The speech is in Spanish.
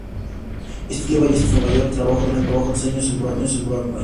Estudió ballet en Nueva York y trabajó durante algunos años en Broadway.